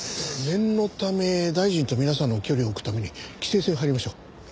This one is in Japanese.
念のため大臣と皆さんの距離を置くために規制線を張りましょう。